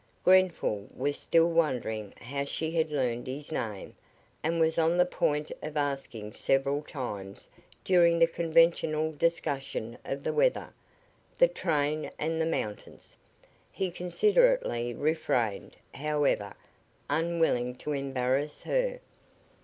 Grenfall was still wondering how she had learned his name, and was on the point of asking several times during the conventional discussion of the weather, the train and the mountains. He considerately refrained, however, unwilling to embarrass her.